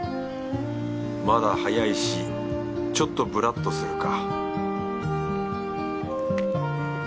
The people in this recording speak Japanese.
まだ早いしちょっとぶらっとするか